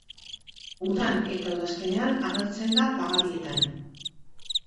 Udan eta udazkenean agertzen da pagadietan.